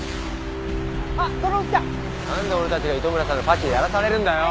なんで俺たちが糸村さんのパシリやらされるんだよ！